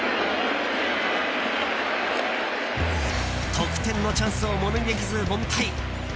得点のチャンスをものにできず凡退。